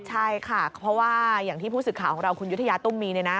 ใช่ค่ะเพราะว่าอย่างที่ผู้สื่อข่าวของเราคุณยุธยาตุ้มมีเนี่ยนะ